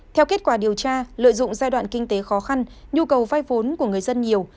theo kết quả điều tra lợi dụng giai đoạn kinh tế khó khăn nhu cầu vay vốn của người dân nhiều